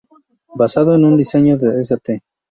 Basado en un diseño de St.